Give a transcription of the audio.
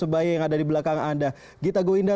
luar biasa sekali semangat sekali supporter